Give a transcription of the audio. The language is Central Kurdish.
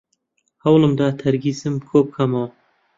هەوڵم دا تەرکیزم کۆبکەمەوە.